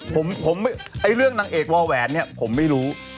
ฉันอยากรู้